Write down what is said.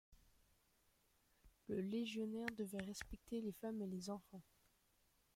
Le légionnaire devait respecter les femmes et les enfants.